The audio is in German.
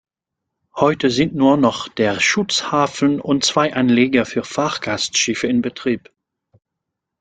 Heute sind nur noch der Schutzhafen und zwei Anleger für Fahrgastschiffe in Betrieb.